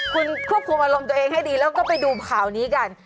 คุณควบคุมอารมณ์ตัวเองให้ดีแล้วก็ไปดูข่าวนี้กัน